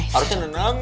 harusnya nenangin dong